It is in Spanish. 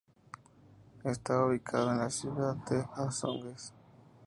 Está ubicado en la ciudad de Azogues.